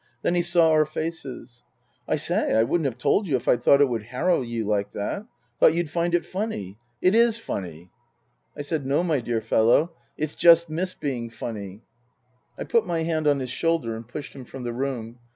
Then he saw our faces. " I say, I wouldn't have told you if I'd thought it would harrow you like that. Thought you'd think it funny. It is funny." I said, " No, my dear fellow, it's just missed being funny." I put my hand on his shoulder and pushed him from the room.